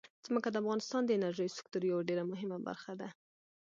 ځمکه د افغانستان د انرژۍ سکتور یوه ډېره مهمه برخه ده.